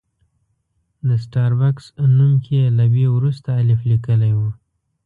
د سټار بکس نوم کې یې له بي وروسته الف لیکلی و.